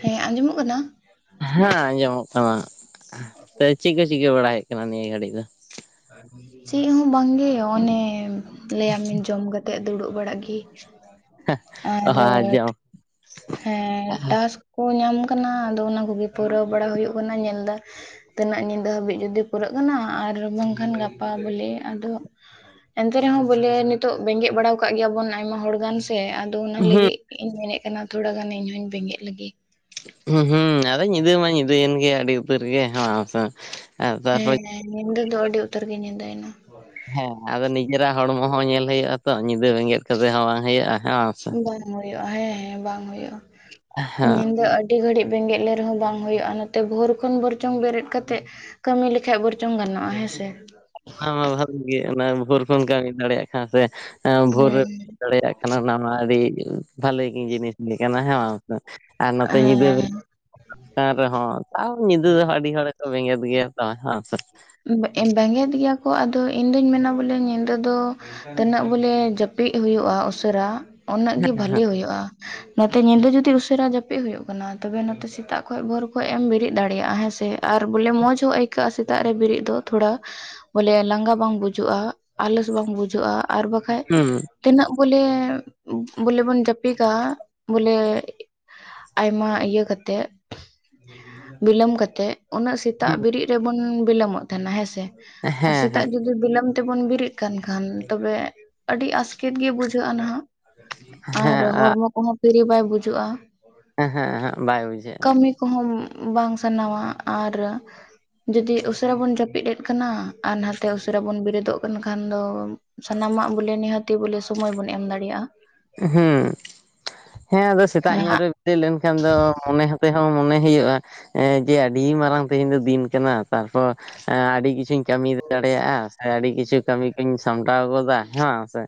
ᱦᱮᱸ ᱟᱸᱡᱚᱢᱚᱜ ᱠᱟᱱᱟ ᱦᱮᱸ ᱟᱸᱡᱚᱢᱚᱜ ᱠᱟᱱᱟ ᱥᱮ ᱪᱮᱫ ᱠᱚ ᱪᱤᱠᱟᱹ ᱵᱟᱲᱟ ᱦᱩᱭᱩᱜ ᱠᱟᱱᱟ ᱱᱤᱭᱟᱹ ᱜᱷᱟᱹᱲᱤᱜ ᱫᱚ ᱪᱮᱜ ᱦᱚᱸ ᱵᱟᱝᱜᱮ ᱚᱱᱮ ᱞᱮᱟᱢᱤᱧ ᱡᱚᱢ ᱠᱟᱛᱮ ᱫᱩᱲᱩᱵ ᱵᱟᱲᱟᱜ ᱜᱮ ᱚ ᱟᱨ ᱟᱸᱡᱚᱢ ᱦᱮᱸ ᱴᱟᱥ ᱠᱚ ᱧᱟᱢ ᱠᱟᱱᱟ ᱟᱫᱚ ᱚᱱᱟ ᱠᱚᱜᱮ ᱯᱩᱨᱟᱹᱣ ᱵᱟᱲᱟ ᱦᱩᱭᱩᱜ ᱠᱟᱱᱟ ᱧᱮᱞ ᱫᱟᱭ ᱛᱤᱱᱟᱜ ᱧᱤᱫᱟᱹ ᱦᱟᱹᱵᱤᱡ ᱡᱩᱫᱤ ᱯᱩᱨᱟᱹᱜ ᱠᱟᱱᱟ ᱟᱨ ᱵᱟᱝᱠᱷᱟᱱ ᱜᱟᱯᱟ ᱵᱚ ᱞᱮᱭ ᱟ ᱟᱫᱚ ᱮᱱᱛᱮ ᱨᱮᱦᱚᱸ ᱵᱚᱞᱮ ᱱᱤᱛᱚᱜ ᱵᱮᱸᱜᱮᱫ ᱵᱟᱲᱟᱣᱠᱟᱫ ᱜᱮᱭᱟ ᱵᱚᱱ ᱟᱭᱢᱟ ᱦᱚᱲ ᱜᱟᱱ ᱥᱮ ᱟᱫᱚ ᱚᱱᱟ ᱦᱩᱸ ᱞᱟᱹᱜᱤᱫ ᱤᱧ ᱢᱮᱱᱮᱫ ᱠᱟᱱᱟ ᱛᱷᱚᱲᱟ ᱜᱟᱱ ᱤᱧ ᱦᱚᱸᱧ ᱵᱮᱸᱜᱮᱫ ᱞᱮᱜᱮ ᱾ ᱦᱩᱸ ᱦᱩᱸ ᱟᱫᱚ ᱧᱤᱫᱟᱹ ᱢᱟ ᱧᱤᱫᱟᱹᱭᱮᱱ ᱜᱮᱭᱟ ᱟᱹᱰᱤ ᱩᱛᱟᱹᱨ ᱜᱮ ᱦᱚᱸᱥᱮ ᱾ ᱦᱮᱸ ᱦᱮᱸ ᱧᱤᱫᱟᱹ ᱫᱚ ᱟᱹᱰᱤ ᱩᱛᱟᱹᱨ ᱜᱮ ᱧᱤᱫᱟᱹᱭᱮᱱᱟ ᱾ ᱦᱮᱸ ᱟᱫᱚ ᱱᱤᱡᱮᱨᱟᱜ ᱦᱚᱲᱢᱚ ᱦᱚᱸ ᱧᱮᱞ ᱦᱩᱭᱩᱜᱼᱟ ᱛᱚ ᱧᱤᱫᱟᱹ ᱵᱮᱸᱜᱮᱫ ᱠᱟᱛᱮ ᱦᱚᱸ ᱵᱟᱝ ᱦᱩᱭᱩᱜᱼᱟ ᱦᱮ ᱸᱵᱟᱝ ᱾ ᱵᱟᱝ ᱦᱩᱭᱩᱜᱼᱟ ᱦᱮᱸ ᱦᱮᱸ ᱵᱟᱝ ᱦᱩᱭᱩᱜᱼᱟ ᱦᱮᱸ ᱧᱤᱫᱟᱹ ᱟᱹᱰᱤ ᱟᱹᱰᱤ ᱜᱷᱟᱹᱲᱤᱜ ᱵᱮᱸᱜᱮᱫ ᱞᱮ ᱨᱮᱦᱚᱸ ᱵᱟᱝ ᱦᱩᱭᱩᱜᱼᱟ ᱱᱚᱛᱮ ᱵᱷᱳᱨ ᱠᱷᱚᱱ ᱵᱚᱨᱪᱚᱝ ᱵᱮᱨᱮᱛ ᱠᱟᱛᱮᱜ ᱠᱟᱹᱢᱤ ᱞᱮᱠᱷᱟᱡ ᱵᱚᱨᱪᱚᱢ ᱜᱟᱱᱚᱜᱼᱟ ᱦᱮᱸᱥᱮ ᱾ ᱚᱱᱟ ᱢᱟ ᱵᱷᱟᱜ ᱜᱮ ᱚᱱᱟ ᱵᱷᱳᱨ ᱠᱦᱚᱱ ᱠᱟᱹᱢᱤᱢ ᱫᱟᱲᱮᱭᱟᱜ ᱠᱷᱟᱱ ᱥᱮ ᱵᱷᱳ ᱦᱮᱸ ᱨᱮ ᱦᱮᱸ ᱫᱟᱲᱮᱭᱟᱜ ᱠᱷᱟᱱ ᱚᱱᱟ ᱢᱟ ᱟᱹᱰᱤ ᱵᱷᱟᱞᱤ ᱜᱮ ᱡᱤᱱᱤᱥ ᱞᱮᱠᱟᱱᱟᱜ ᱦᱮᱸ ᱵᱟᱝ ᱥᱮ ᱾ ᱦᱮᱸ ᱾ [unintelligible] ᱨᱮᱦᱚᱸ ᱛᱟᱣ ᱧᱤᱫᱟᱹ ᱫᱚ ᱟᱰᱤ ᱦᱚᱲᱜᱮᱠᱚ ᱵᱮᱸᱜᱮᱫ ᱜᱮᱭᱟ ᱛᱚ ᱦᱮᱸ ᱥᱮ ᱾ ᱵᱮᱸ ᱵᱮᱸᱜᱮᱫ ᱜᱮᱭᱟ ᱠᱚ ᱟᱫᱚ ᱤᱧ ᱫᱩᱧ ᱢᱮᱱᱟ ᱵᱚᱞᱮ ᱧᱤᱫᱟᱹ ᱫᱚ ᱛᱤᱱᱟᱹᱜ ᱵᱚᱞᱮ ᱡᱟᱹᱯᱤᱜ ᱦᱩᱭᱩᱜᱼᱟ ᱩᱥᱟᱹᱨᱟ ᱩᱱᱟᱹᱜ ᱜᱮ ᱵᱷᱟᱹᱞᱤ ᱦᱩᱭᱩᱜᱼᱟ ᱾ ᱱᱚᱛᱮ ᱧᱤᱫᱟᱹ ᱡᱩᱫᱤ ᱩᱥᱟᱹᱨᱟ ᱡᱟᱯᱤᱜ ᱦᱩᱭᱩᱜ ᱠᱟᱱᱟ ᱛᱚᱵᱮ ᱱᱚᱛᱮ ᱥᱮᱛᱟᱜ ᱠᱷᱚᱡ ᱵᱷᱳᱨ ᱠᱷᱚᱡ ᱮᱢ ᱵᱮᱨᱮᱜ ᱫᱟᱲᱮᱭᱟᱜᱼᱟ ᱦᱮᱸᱥᱮ ᱟᱨ ᱵᱚᱞᱮ ᱢᱚᱸᱡᱽ ᱦᱚᱸ ᱟᱹᱭᱠᱟᱹᱜᱼᱟ ᱥᱮᱛᱟᱜ ᱛᱮ ᱵᱤᱨᱤᱫ ᱫᱚ ᱛᱷᱚᱲᱟ ᱵᱚᱞᱮ ᱞᱟᱸᱜᱟ ᱵᱟᱝ ᱵᱩᱡᱟᱹᱜᱼᱟ ᱟᱞᱚᱥ ᱵᱟᱝ ᱵᱩᱡᱟᱹᱜᱼᱟ ᱟᱨ ᱵᱟ ᱵᱟᱠᱷᱟᱡ ᱦᱩᱸ ᱛᱤᱱᱟᱹᱜ ᱵᱚᱞᱮ, ᱵᱚᱞᱮ ᱵᱚᱱ ᱡᱟᱹᱯᱤᱜ-ᱟ ᱵᱚᱞᱮ ᱟᱭᱢᱟ ᱤᱭᱟᱹ ᱠᱟᱛᱮ, ᱵᱤᱞᱚᱢ ᱠᱟᱛᱮᱜ ᱩᱱᱟᱹᱜ ᱥᱮᱛᱟᱜ ᱵᱮᱨᱤᱜ ᱨᱮᱵᱚᱱ ᱵᱤᱞᱚᱢᱚᱜ ᱛᱟᱦᱮᱱᱟ ᱦᱮᱸᱥᱮ, ᱦᱮᱸ ᱟᱨ ᱦᱮᱸ ᱥᱮᱛᱟᱜ ᱡᱩᱫᱤ ᱵᱤᱞᱚᱢ ᱛᱮᱵᱚᱱ ᱵᱮᱨᱤᱜ ᱠᱟᱱ ᱠᱷᱟᱱ ᱛᱚᱵᱮ ᱟᱹᱰᱤ ᱟᱥᱠᱮᱛ ᱜᱮ ᱵᱩᱡᱷᱟᱹᱜᱼᱟ ᱱᱟᱦᱟᱜ ᱟᱨ ᱦᱮᱸ ᱟᱜ ᱦᱚᱲᱢᱚ ᱠᱚᱦᱚᱸ ᱯᱷᱤᱨᱤ ᱵᱟᱭ ᱵᱩᱡᱩᱜᱼᱟ ᱾ ᱦᱮᱸ ᱦᱮᱸ ᱦᱮᱸ ᱵᱟᱭ ᱵᱩᱡᱷᱟᱹᱜᱼᱟ ᱾ ᱠᱚᱦᱚᱢ ᱵᱟᱝ ᱥᱟᱱᱟᱢᱟ ᱟᱨ ᱡᱩᱫᱤ ᱩᱥ ᱩᱥᱟᱹᱨᱟ ᱵᱚᱱ ᱡᱟᱯᱤᱜ ᱮᱫ ᱠᱟᱱᱟ ᱟᱨ ᱱᱟᱛᱮ ᱩᱥᱟᱹᱨᱟ ᱵᱚᱱ ᱵᱮᱨᱮᱫᱚᱜ ᱠᱟᱱ ᱠᱷᱟᱱ ᱫᱚ ᱥᱟᱱᱟᱢᱟᱜ ᱵᱚᱞᱮ ᱱᱤᱦᱟᱹᱛᱤ ᱵᱚᱞᱮ ᱥᱳᱢᱳᱭ ᱵᱚᱱ ᱮᱢ ᱫᱟᱲᱮᱭᱟᱜᱼᱟ ᱦᱩᱸ ᱦᱮᱸ ᱟᱫᱚ ᱥᱮᱛᱟᱜ ᱧᱚᱜ ᱨᱮ ᱵᱮᱨᱮᱫ ᱞᱮᱱᱠᱷᱟᱱ ᱫᱚ ᱢᱚᱱᱮ ᱦᱚᱸᱛᱮ ᱦᱚᱸ ᱢᱚᱱᱮ ᱦᱩᱭᱩᱜᱼᱟ ᱮᱸ ᱡᱮ ᱟᱹᱰᱤ ᱢᱟᱨᱟᱝ ᱛᱮᱦᱮᱧ ᱫᱚ ᱫᱤᱱ ᱠᱟᱱᱟ ᱛᱟᱨᱯᱚᱨ ᱮᱸ ᱟᱹᱰᱤ ᱠᱤᱪᱷᱩᱧ ᱠᱟᱹᱢᱤ ᱫᱟᱲᱮᱭᱟᱜᱼᱟ ᱥᱮ ᱟᱹᱰᱤ ᱠᱤᱪᱷᱩ ᱠᱟᱹᱢᱤ ᱠᱩᱧ ᱥᱟᱢᱴᱟᱣ ᱜᱚᱫᱟ ᱦᱮᱸ ᱵᱟᱝ ᱥᱮ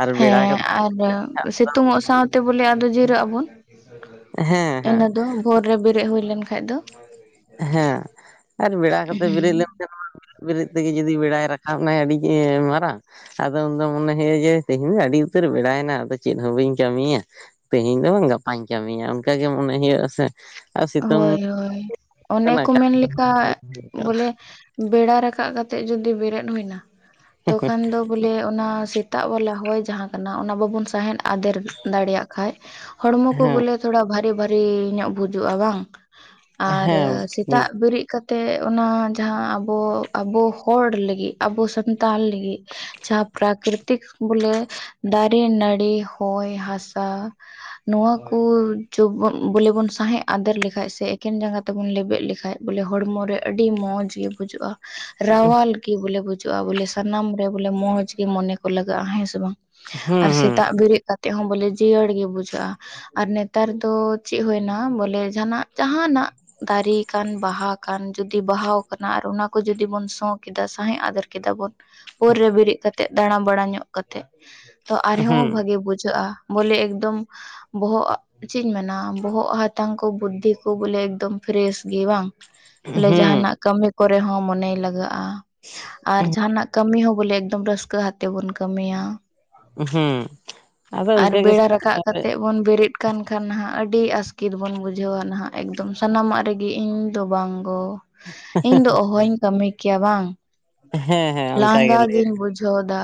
ᱟᱨ ᱵᱮᱲᱟ ᱠᱟᱛᱮ ᱤᱭᱟᱹ ᱥᱤᱛᱩᱝᱚᱜ ᱥᱟᱶᱛᱮ ᱵᱚᱞᱮ ᱟᱫᱚ ᱡᱤᱨᱟᱹᱜ ᱟᱵᱚᱱ ᱦᱮᱸ ᱦᱮᱸ ᱤᱱᱟᱹ ᱫᱚ ᱵᱷᱚᱨ ᱨᱮ ᱵᱮᱨᱮᱫ ᱦᱩᱭ ᱞᱮᱱ ᱠᱷᱟᱡ ᱫᱚ ᱦᱮᱸ ᱟᱨ ᱵᱮᱲᱟ ᱠᱟᱛᱮ ᱵᱮᱨᱮᱜ ᱞᱮᱱ ᱠᱷᱟᱱ ᱢᱟ ᱵᱮᱨᱮᱫ ᱵᱮᱨᱮᱫ ᱛᱮᱜᱮ ᱡᱩᱫᱤ ᱵᱮᱲᱟᱭ ᱨᱟᱠᱟᱵ ᱮᱱᱟᱭ ᱟᱹᱰᱤ ᱢᱟᱨᱟᱝ ᱟᱫᱚ ᱩᱱ ᱫᱚ ᱢᱚᱱᱮ ᱦᱩᱭᱩᱜᱭᱼᱟ ᱡᱮ ᱛᱮᱦᱮᱧ ᱫᱚ ᱟᱹᱰᱤ ᱩᱛᱟᱹᱨ ᱵᱮᱲᱟᱭᱮᱱᱟ ᱟᱫᱚ ᱪᱮᱫ ᱦᱚᱸ ᱵᱟᱹᱧ ᱠᱟᱹᱢᱤᱭᱟ, ᱛᱮᱦᱤᱧ ᱫᱚ ᱵᱟᱝ ᱜᱟᱯᱟᱧ ᱠᱟᱹᱢᱤᱭᱟ ᱚᱱᱠᱟᱟᱜ ᱜᱮ ᱢᱚᱱᱮ ᱦᱩᱭᱩᱜᱼᱟ ᱥᱮ ᱾ ᱦᱳᱭ ᱦᱳᱭ ᱚᱱᱮ ᱠᱟᱱᱟ ᱠᱚ ᱢᱮᱱ ᱞᱮᱠᱟ ᱵᱚᱞᱮ ᱵᱮᱲᱟ ᱨᱟᱠᱟᱵ ᱠᱟᱛᱮ ᱡᱩᱫᱤ ᱵᱮᱨᱮᱫ ᱦᱩᱭ ᱮᱱᱟ ᱛᱚᱠᱷᱟᱱ ᱫᱚ ᱵᱚᱞᱮ ᱚᱱᱟ ᱥᱮᱛᱟᱜ ᱣᱟᱞᱟ ᱦᱚᱭ ᱡᱟᱦᱟᱸ ᱠᱟᱱᱟ ᱚᱱᱟ ᱵᱟᱵᱚᱱ ᱥᱟᱦᱮᱫ ᱟᱫᱮᱨ ᱫᱟᱲᱮᱭᱟᱜ ᱠᱷᱟᱡ ᱦᱚᱲᱢᱚ ᱠᱚ ᱦᱮᱸ ᱵᱚᱞᱮ ᱛᱷᱚᱲᱟ ᱵᱷᱟᱨᱤ ᱵᱷᱟᱨᱤ ᱧᱚᱜ ᱵᱩᱡᱩᱜᱼᱟ ᱵᱟᱝ ᱟᱨ ᱦᱮᱸ ᱥᱮᱛᱟᱜ ᱵᱮᱨᱮᱫ ᱠᱟᱛ ᱛᱮ ᱚᱱᱟ ᱡᱟᱦᱟᱸ ᱟᱵᱚ ᱟᱵᱚ ᱦᱚᱲ ᱞᱟᱹᱜᱤᱫ ᱟᱵᱚ ᱥᱟᱱᱛᱟᱞ ᱞᱟᱹᱜᱤᱫ ᱡᱟᱦᱟᱸ ᱯᱨᱟᱠᱨᱤᱛᱤᱠ ᱵᱚᱞᱮ ᱫᱟᱨᱮ, ᱱᱟᱹᱲᱤ, ᱦᱚᱭ, ᱦᱟᱥᱟ ᱱᱚᱣᱟ ᱠᱚ ᱡᱚᱵ ᱵᱚᱞᱮ ᱵᱚᱱ ᱥᱸᱟᱦᱮᱫ ᱟᱫᱮᱨ ᱞᱮᱠᱷᱟ ᱥᱮ ᱮᱠᱷᱮᱱ ᱡᱟᱸᱜᱟ ᱛᱮᱵᱚᱱ ᱞᱮᱵᱮᱫ ᱞᱮᱠᱷᱟᱡ ᱵᱚᱞᱮ ᱦᱚᱲᱢᱚᱨᱮ ᱟᱹᱰᱤ ᱢᱚᱡᱽ ᱜᱮ ᱵᱩᱡᱟᱹᱜᱼᱟ, ᱨᱟᱣᱟᱞ ᱜᱮ ᱵᱚᱞᱮ ᱵᱩᱡᱷᱩᱜᱼᱟ ᱵᱚᱞᱮ ᱥᱟᱱᱟᱢ ᱨᱮ ᱵᱚᱞᱮ ᱢᱚᱡᱽ ᱜᱮ ᱢᱚᱱᱮ ᱠᱚ ᱞᱟᱜᱟᱜᱼᱟ ᱦᱮᱸᱥᱮ ᱵᱟᱝ ᱾ ᱦᱩᱸ ᱟᱨ ᱦᱩᱸ ᱥᱮᱛᱟᱜ ᱵᱮᱨᱮᱫ ᱠᱟᱛᱮ ᱦᱚᱸ ᱵᱚᱞᱮ ᱡᱤᱭᱟᱹᱲ ᱜᱮ ᱵᱩᱡᱷᱟᱹᱜᱼᱟ ᱟᱨ ᱱᱮᱛᱟᱨ ᱫᱚ ᱪᱮᱫ ᱦᱩᱭᱱᱟ ᱵᱚᱞᱮ ᱚᱸᱰᱮ ᱡᱟᱦᱟᱱᱟᱜ ᱡᱟᱦᱱᱟᱜ ᱫᱟᱨᱮ ᱠᱟᱱ ᱵᱟᱦᱟ ᱠᱟᱱ ᱡᱩᱫᱤ ᱵᱟᱦᱟ ᱠᱟᱱᱟ ᱟᱨ ᱚᱱᱟ ᱠᱚ ᱡᱩᱫᱤ ᱵᱚᱱ ᱥᱚ ᱠᱮᱫᱟ ᱥᱟᱦᱮᱮᱫ ᱟᱫᱮᱨ ᱠᱮᱫᱟ ᱵᱚᱱ ᱯᱳᱨ ᱨᱮ ᱵᱮᱨᱮᱫ ᱠᱟᱛᱮ ᱫᱟᱬᱟᱵᱲᱟ ᱧᱚᱜ ᱠᱟᱛᱮ ᱛᱚ ᱟᱨᱦᱚᱸ ᱦᱩᱸ ᱵᱷᱟᱜᱮ ᱵᱩᱡᱷᱟᱹᱜᱼᱟ᱾ ᱵᱚᱞᱮ ᱮᱠᱫᱚᱢ ᱵᱚᱦᱚᱜ ᱪᱮᱫ ᱤᱧ ᱢᱮᱱᱟ ᱵᱚᱦᱚᱜ ᱦᱟᱛ ᱦᱟᱛᱟᱝ ᱠᱚ ᱵᱩᱫᱽᱫᱷᱤ ᱠᱚ ᱵᱚᱞᱮ ᱮᱠᱫᱚᱢ ᱯᱷᱨᱮᱥ ᱜᱮ ᱵᱟᱝ ᱵᱚᱞᱮ ᱦᱩᱸ ᱡᱟᱦᱟᱱᱟᱜ ᱠᱟᱹᱢᱤ ᱠᱚᱨᱮ ᱦᱚᱸ ᱢᱚᱱᱮ ᱞᱟᱜᱟᱜᱼᱟ ᱟᱨ ᱡᱟᱦᱟᱱᱟᱜ ᱠᱟᱹᱢᱤ ᱦᱚᱸ ᱵᱚᱞᱮ ᱮᱠᱫᱚᱢ ᱨᱟᱹᱥᱠᱟᱹ ᱟᱛᱮ ᱵᱚᱱ ᱠᱟᱹᱢᱤᱭᱟ᱾ ᱦᱩᱸ ᱟᱫᱚ ᱟᱨ ᱚᱱᱠᱟ ᱜᱮ ᱵᱮᱲᱟ ᱨᱟᱠᱟᱵ ᱠᱟᱛᱮ ᱵᱚᱱ ᱵᱮᱨᱮᱫ ᱠᱟᱱ ᱠᱷᱟᱱ ᱱᱟᱦᱟᱜ ᱟᱹᱰᱤ ᱟᱥᱠᱤᱛ ᱵᱚᱱ ᱵᱩᱡᱷᱟᱹᱣᱟ ᱱᱟᱦᱟᱜ ᱮᱠᱫᱚᱢ ᱥᱟᱱᱟᱢᱟᱜ ᱨᱮᱜᱮ ᱤᱧ ᱫᱚ ᱵᱟᱝ ᱜᱚ ᱤᱧ ᱫᱚ ᱚᱦᱚᱤᱧ ᱠᱟᱹᱢᱤ ᱠᱮᱭᱟ ᱵᱟᱝ ᱾ ᱦᱮᱸ ᱦᱮᱸ ᱚᱱᱠᱟ ᱜᱮ ᱞᱟᱝᱜᱟ ᱞᱟᱹᱭ ᱜᱤᱧ ᱵᱩᱡᱷᱦᱫ-ᱟ᱾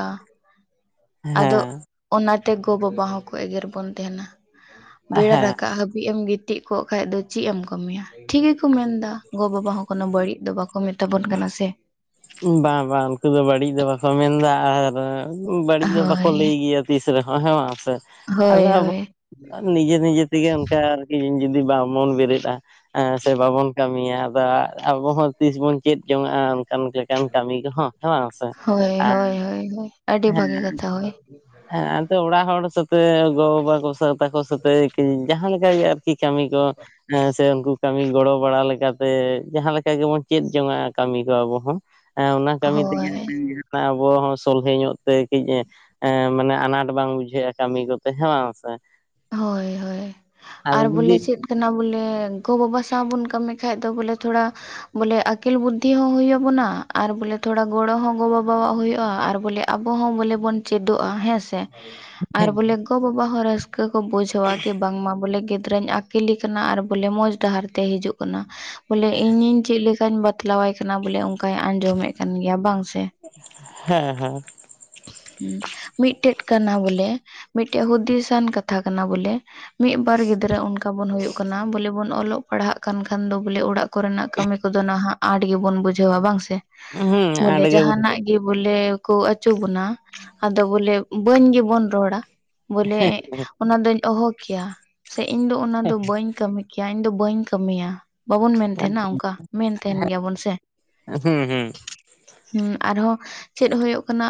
ᱟᱫᱚ ᱦᱮᱸ ᱚᱱᱟᱛᱮ ᱜᱚ-ᱵᱟᱵᱟ ᱦᱚᱸᱠᱚ ᱮᱜᱮᱨ ᱵᱚᱱ ᱛᱟᱦᱮᱱᱟ᱾ ᱵᱮᱲᱟ ᱦᱮᱸ ᱨᱟᱠᱟᱵ ᱦᱟᱹᱵᱤᱡ ᱮᱢ ᱜᱤᱛᱤᱡ ᱠᱚᱜ ᱠᱷᱟᱱ ᱫᱚ ᱪᱮᱫ ᱮᱢ ᱠᱟᱹᱢᱤᱭᱟ ᱴᱷᱤᱠ ᱜᱮᱠᱚ ᱢᱮᱱᱫᱟ᱾ ᱜᱚ ᱵᱟᱵᱟ ᱦᱚᱸ ᱠᱳᱱᱚ ᱵᱟᱹᱲᱤᱡ ᱫᱚ ᱵᱟᱠᱚ ᱢᱮᱛᱟ ᱵᱚᱱ ᱠᱟᱱᱟ ᱥᱮ ᱾ ᱵᱟᱝ ᱵᱟᱝ ᱩᱱᱠᱩ ᱫᱚ ᱵᱟᱹᱲᱤᱡ ᱫᱚ ᱵᱟᱠᱚ ᱢᱮᱱᱫᱟ, ᱟᱨ ᱵᱟᱹᱲᱤᱡ ᱫᱚ ᱵᱟᱠᱚ ᱦᱳᱭ ᱞᱟᱹᱭ ᱜᱮᱭᱟ ᱛᱤᱥ ᱨᱮᱦᱚᱸ ᱦᱮᱸ ᱥᱮ ᱦᱳᱭ ᱟᱫᱚ ᱟᱵ ᱦᱳᱭ ᱱᱤᱡᱮ ᱱᱤᱡᱮ ᱛᱮᱜᱮ ᱚᱱᱠᱟ ᱟᱨᱠᱤ ᱡᱩᱫᱤ ᱵᱟ ᱵᱚᱱ ᱵᱮᱨᱮᱫᱼᱟ ᱥᱮ ᱵᱟᱵᱚᱱ ᱠᱟᱹᱢᱤᱭᱟ ᱟᱫᱚ ᱟᱵᱚᱦᱚᱸ ᱛᱤᱥ ᱵᱚᱱ ᱪᱮᱫ ᱡᱚᱝᱱᱟᱜᱼᱟ ᱚᱱᱠᱟᱱ ᱞᱮᱠᱟᱱ ᱠᱟᱹᱢᱤ ᱠᱚᱦᱚᱸ ᱦᱮ ᱵᱟᱝ ᱥᱮ ᱾ ᱦᱳᱭ ᱦᱳᱭ ᱦᱳᱭᱳᱭ ᱟᱹᱰᱤ ᱵᱷᱟᱹᱜᱤ ᱠᱟᱛᱷᱟ ᱦᱳᱭ ᱾ ᱦᱮᱸ ᱮᱱᱛᱮ ᱚᱲᱟᱜ ᱦᱚᱲ ᱥᱟᱛᱮ ᱜᱚᱼᱵᱟᱵᱟ ᱠᱚ ᱥᱟᱶᱛᱟᱟᱠᱚ ᱥᱟᱛᱮ ᱡᱟᱦᱟᱸᱠ ᱜᱮ ᱠᱤ ᱠᱟᱢᱤ ᱠᱚ ᱦᱮᱸ ᱥᱮ ᱩᱱᱠᱩ ᱠᱟᱹᱢᱤ ᱜᱚᱲᱚ ᱵᱟᱲᱟ ᱞᱮᱠᱟᱛᱮ ᱡᱟᱦᱟᱸ ᱞᱮᱠᱟ ᱜᱮᱵᱚᱱ ᱪᱮᱫ ᱡᱚᱝᱱᱟᱜᱼᱟ ᱠᱟᱹᱢᱤ ᱠᱚ ᱟᱵᱚ ᱦᱚᱸ ᱾ ᱮᱸ ᱚᱱᱟ ᱠᱟᱹᱢᱤ ᱛᱮᱜᱮ ᱦᱳᱭ ᱡᱟᱦᱱᱟᱜ ᱟᱵᱚ ᱦᱚᱸ ᱥᱚᱞᱦᱮ ᱧᱚᱜ ᱛᱮ ᱠᱟᱹᱡ ᱮ ᱢᱟᱱᱮ ᱟᱱᱟᱴ ᱵᱟᱝ ᱵᱩᱡᱷᱟᱹᱜᱼᱟ ᱠᱟᱹᱢᱤ ᱠᱚᱛᱮ ᱦᱮ ᱵᱟᱝ ᱥᱮ ᱾ ᱦᱳᱭ ᱦᱳᱭ ᱟᱨ ᱡᱩᱫᱤ ᱵᱚᱞᱮ ᱪᱮᱫ ᱠᱟᱱᱟ ᱵᱚᱞᱮ ᱜᱚ ᱵᱟᱵᱟ ᱥᱟᱶ ᱵᱚᱱ ᱠᱟᱹᱢᱤ ᱠᱷᱟᱡ ᱫᱚ ᱵᱚᱞᱮ ᱛᱷᱚᱲᱟ ᱵᱚᱞᱮ ᱟᱹᱠᱤᱞ ᱵᱩᱫᱽᱫᱷᱤ ᱦᱚᱸ ᱦᱩᱭᱩᱜ ᱟᱵᱚᱱᱟ ᱟᱨ ᱵᱞᱮ ᱛᱷᱚᱲᱟ ᱜᱚᱲᱚ ᱦᱚᱸ ᱜᱚᱼ ᱵᱟᱵᱟᱣᱟᱜ ᱦᱩᱭᱩᱜᱼᱟ, ᱟᱨ ᱵᱚᱞᱮ ᱟᱵᱚ ᱦᱚᱸ ᱵᱚᱞᱮ ᱵᱚᱱ ᱪᱮᱫᱚᱜᱼᱟ ᱦᱮᱸ ᱥᱮ ᱾ ᱟᱨ ᱦᱮᱸ ᱵᱚᱞᱮ ᱜᱚᱼᱵᱟᱵᱟ ᱦᱚᱸ ᱨᱟᱹᱥᱠᱟᱹ ᱠᱚ ᱵᱩᱡᱷᱟᱹᱣᱟ ᱠᱤ ᱵᱟᱝᱢᱟ ᱵᱚᱞᱮ ᱜᱤᱫᱽᱨᱟᱹᱧ ᱠᱤᱞ ᱠᱟᱱᱟ ᱟᱨᱚᱞᱮ ᱢᱚᱸᱡᱽ ᱰᱟᱦᱟᱨ ᱛᱮ ᱦᱤᱡᱩᱜ ᱠᱟᱱᱟ ᱵᱚᱞᱮ ᱤᱧᱤᱧ ᱪᱮᱫ ᱞᱮᱠᱟᱧ ᱵᱟᱛᱞᱟᱣᱟᱭ ᱠᱟᱱᱟ ᱵᱚᱞᱮ ᱚᱱᱠᱟᱭ ᱟᱸᱡᱚᱢᱮᱫ ᱠᱟᱱ ᱜᱮᱭᱟ ᱵᱟᱝ ᱥᱮ ᱾ ᱦᱮᱸ ᱦᱮᱸ ᱾ ᱦᱩᱸ ᱢᱤᱫᱴᱮᱡ ᱠᱟᱱᱟ ᱵᱚᱞᱮ ᱢᱤᱫᱴᱮᱱ ᱦᱩᱫᱤᱥᱟᱱ ᱠᱟᱛᱷᱟ ᱠᱟᱱᱟ ᱵᱚᱞᱮ, ᱢᱤᱫ ᱵᱟᱨ ᱜᱤᱫᱽᱨᱟᱹ ᱚᱱᱠᱟ ᱵᱚᱱᱳ ᱠᱟᱱᱟ ᱵᱚᱞᱮ ᱵᱚᱱ ᱚᱞᱚᱜ ᱯᱟᱲᱦᱟᱜ ᱠᱟᱱ ᱠᱷᱟᱱ ᱫᱚ ᱵᱚᱞᱮ ᱚᱲᱟᱜ ᱠᱚᱨᱮᱱᱟᱜ ᱠᱟᱹᱢᱤ ᱠᱚᱫᱚ ᱱᱟᱦᱟᱜ ᱟᱸᱴ ᱜᱮᱵᱚᱱ ᱵᱩᱡᱷᱟᱹᱣᱟ ᱵᱟᱝ ᱥᱮ ᱦᱩᱸ ᱵᱚᱞᱮ ᱟᱸᱰᱮ ᱜᱮ ᱦᱩᱸ ᱡᱟᱦᱟᱱᱟᱜ ᱮ ᱵᱚᱞᱮ ᱠᱚ ᱟᱹᱪᱩ ᱵᱚᱱᱟ ᱟᱫᱚ ᱵᱚᱞᱮ ᱵᱟᱹᱧ ᱜᱮᱵᱚᱱ ᱨᱚᱲᱟ, ᱵᱚᱞᱮ ᱚᱱᱟ ᱫᱚᱧ ᱚᱦᱚ ᱠᱮᱭᱟ ᱥᱮ ᱤᱧ ᱫᱚ ᱚᱱᱟ ᱫᱚ ᱵᱟᱹᱧ ᱠᱟᱹᱢᱤ ᱠᱮᱭᱟ ᱤᱧ ᱫᱚ ᱵᱟᱹᱧ ᱠᱟᱹᱢᱤᱭᱟ ᱾ ᱵᱟᱵᱚᱱ ᱢᱮᱱ ᱛᱟᱦᱮᱱᱟ ᱚᱝᱠᱟ ᱢᱮᱱ ᱛᱟᱦᱮᱱ ᱜᱮᱭᱟᱵᱚᱱ ᱥᱮ ᱾ ᱦᱩᱸ ᱦᱮᱸ ᱟᱨᱦᱚᱸ ᱪᱮᱫ ᱦᱩᱭᱩᱜ ᱠᱟᱱᱟ